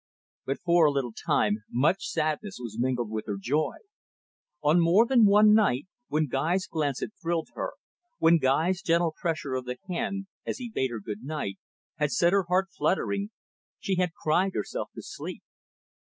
But for a little time much sadness was mingled with her joy. On more than one night, when Guy's glance had thrilled her, when Guy's gentle pressure of the hand, as he bade her good night, had set her heart fluttering, she had cried herself to sleep.